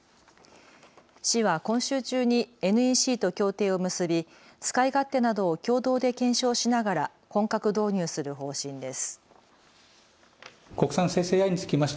市は今週中にＮＥＣと協定を結び使い勝手などを共同で検証しながら本格導入する方針です。